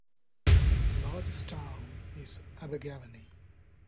The largest town is Abergavenny.